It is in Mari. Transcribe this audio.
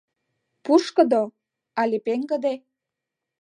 Пушкыдо але пеҥгыде?